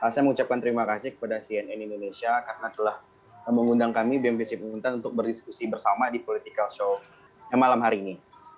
saya mengucapkan terima kasih kepada cnn indonesia karena telah mengundang kami bmp si penghutan untuk berdiskusi bersama di political show malam hari ini